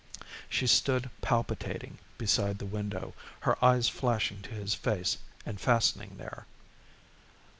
She stood palpitating beside the window, her eyes flashing to his face and fastening there.